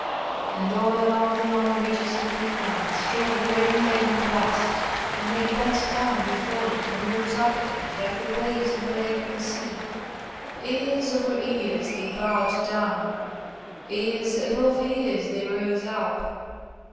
And all along the long ridges of wheat plants drove the rain laden blast, and they bent down before it and rose up again, like the waves of a labouring sea. Ears over ears they bowed down; ears above ears they rose up.